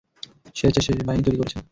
সেরেছে, সে বাহিনী তৈরি করেছে।